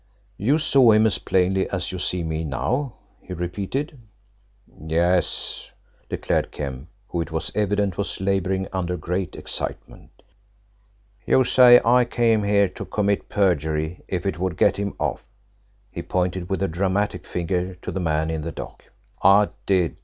"You saw him as plainly as you see me now?" he repeated. "Yes," declared Kemp, who, it was evident, was labouring under great excitement. "You say I came here to commit perjury if it would get him off." He pointed with a dramatic finger to the man in the dock. "I did.